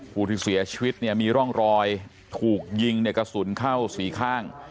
ผู้ที่เสียชีวิตเนี่ยมีร่องรอยถูกยิงเนี่ยกระสุนเข้าสี่ข้าง